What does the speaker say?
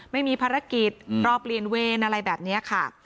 ไม่มีภารกิจรอเปลี่ยนเวรอะไรแบบนี้ค่ะ